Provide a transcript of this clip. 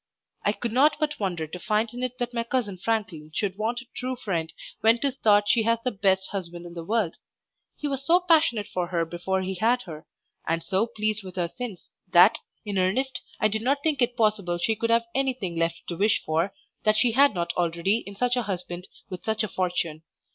I could not but wonder to find in it that my cousin Franklin should want a true friend when 'tis thought she has the best husband in the world; he was so passionate for her before he had her, and so pleased with her since, that, in earnest, I did not think it possible she could have anything left to wish for that she had not already in such a husband with such a fortune.